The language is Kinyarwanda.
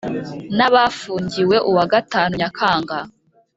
n' abafungiwe uwa gatanu nyakanga,